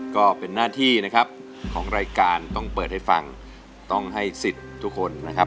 ก็เป็นหน้าที่นะครับของรายการต้องเปิดให้ฟังต้องให้สิทธิ์ทุกคนนะครับ